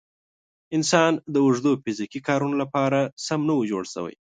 انسان د اوږدو فیزیکي کارونو لپاره سم نه و جوړ شوی.